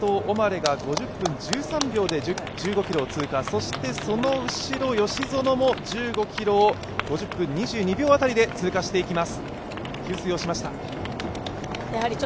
まずは先頭、オマレが５０分１３秒で１５ｋｍヲ通以下、その後ろ吉薗も１５ｋｍを５０分２２秒辺りで通過していきます。